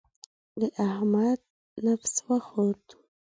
د احمد نفس وخوت.